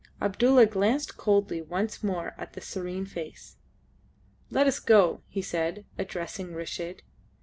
Abdulla glanced coldly once more at the serene face. "Let us go," he said, addressing Reshid.